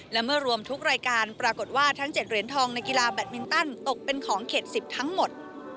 และเมื่อรวมทุกรายการปรากฏว่าทั้ง๗เหรียญทองในกีฬาแบตมินตันตกเป็นของเขต๑๐ทั้งหมด